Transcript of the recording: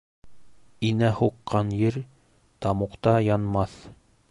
Инә һуҡҡан ер тамуҡта янмаҫ.